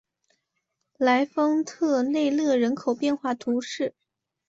莱丰特内勒人口变化图示